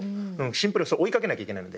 シンプル追いかけなきゃいけないので。